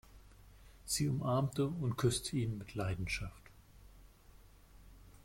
Sie umarmte und küsste ihn mit Leidenschaft.